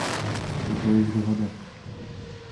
Je to jejich dohoda.